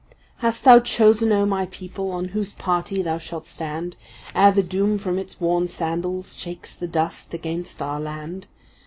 Hast thou chosen, O my people, on whose party thou shalt stand, Ere the Doom from its worn sandals shakes the dust against our land?